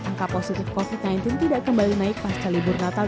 angka positif covid sembilan belas tidak kembali naik pasca libur natal